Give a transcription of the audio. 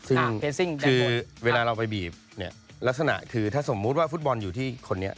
ซึ่งคือเวลาเราไปบีบเนี่ยลักษณะคือถ้าสมมุติว่าฟุตบอลอยู่ที่คนนี้